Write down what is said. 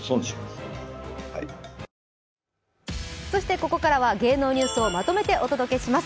ここからは芸能ニュースをまとめてお届けします。